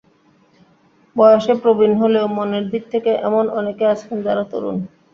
বয়সে প্রবীণ হলেও মনের দিক থেকে এমন অনেকে আছেন যাঁরা তরুণ।